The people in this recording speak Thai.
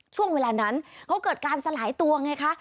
ช่วงเวลานั้นเขาเกิดการสลายตัวไงคะ